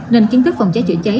nên chính thức phòng cháy chữa cháy